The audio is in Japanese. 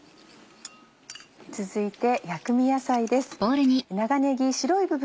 続いて薬味野菜です。